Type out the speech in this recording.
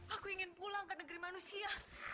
aku ingin pulang ke negeri manusia